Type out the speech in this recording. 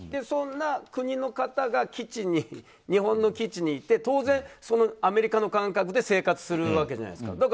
そんな国の方が日本の基地にいて当然、アメリカの感覚で生活するわけじゃないですか。